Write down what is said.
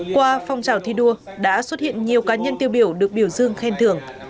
qua phong trào thi đua đã xuất hiện nhiều cá nhân tiêu biểu được biểu dương khen thưởng